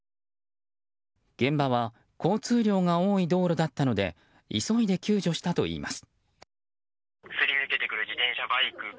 現場は交通量が多い道路だったので急いで救助したといいます。